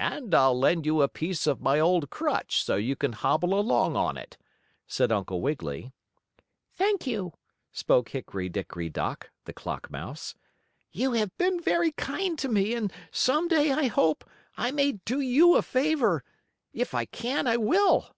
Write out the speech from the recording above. "And I'll lend you a piece of my old crutch, so you can hobble along on it," said Uncle Wiggily. "Thank you," spoke Hickory Dickory Dock, the clock mouse. "You have been very kind to me, and some day, I hope, I may do you a favor. If I can I will."